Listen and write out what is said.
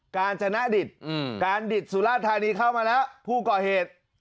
การชนะดิตการดิตสุราธานีเข้ามาแล้วผู้ก่อเหตุ